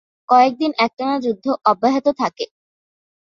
কয়েক দিন একটানা যুদ্ধ অব্যাহত থাকে।